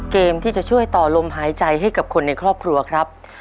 เกมที่จะช่วยต่อลมหายใจให้กับคนในครอบครัวครับ